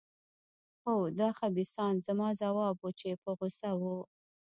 هو، دا خبیثان. زما ځواب و، چې په غوسه وو.